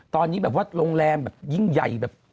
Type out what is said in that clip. ตอนนี้โรงแรมยิ่งใหญ่